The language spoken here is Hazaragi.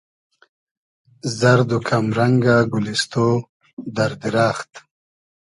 زئرد و کئم رئنگۂ گولیستۉ , دئر دیرئخت